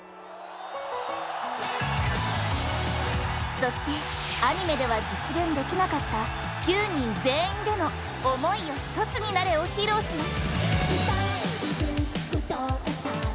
そしてアニメでは実現できなかった９人全員での「想いよひとつになれ」を披露します。